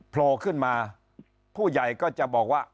โผล่ขึ้นมาผู้ใหญ่ก็จะบอกว่า